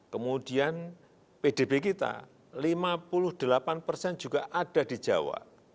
kemudian pdb kita lima puluh delapan persen juga ada di jawa